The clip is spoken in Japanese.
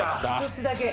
１つだけ。